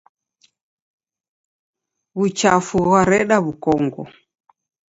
Wuchafu ghwareda wukongo.